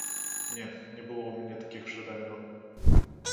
Не, не было ў мяне такіх жаданняў.